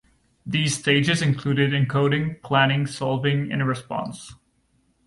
These stages included encoding, planning, solving, and response.